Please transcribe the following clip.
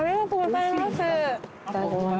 いただきます。